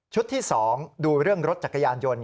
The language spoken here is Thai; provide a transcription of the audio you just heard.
ที่๒ดูเรื่องรถจักรยานยนต์